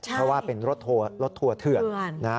เพราะว่าเป็นรถทัวร์เถื่อนนะ